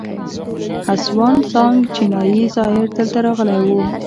هسوان سانګ چینایي زایر دلته راغلی و